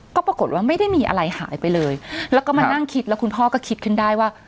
ก็ปรากฏว่าไม่ได้มีอะไรหายไปเลยแล้วก็มานั่งคิดแล้วคุณพ่อก็คิดขึ้นได้ว่า